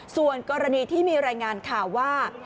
ส่วนกรณีที่มีรายงานข่าวว่า